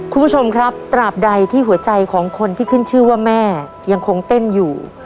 คุณผู้ชมครับตราบใดที่หัวใจของคนที่ขึ้นชื่อว่าแม่ยังคงเต้นอยู่